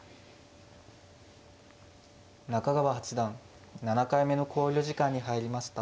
中川八段７回目の考慮時間に入りました。